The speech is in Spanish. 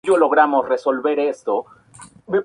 No se conocen gf los nombres de sus inmediatos continuadores.